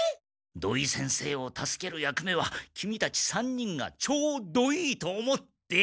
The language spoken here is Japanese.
土井先生を助ける役目はキミたち３人がちょうどいいと思って。